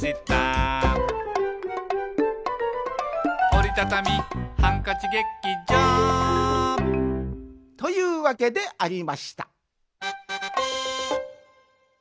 「おりたたみハンカチ劇場」というわけでありました